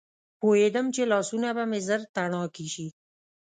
پوهېدم چې لاسونه به مې ژر تڼاکي شي.